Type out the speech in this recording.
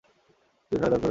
কেউ চারে দর ধরবেন?